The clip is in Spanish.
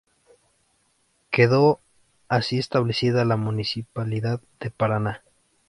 Quedó así establecida la municipalidad de Paraná.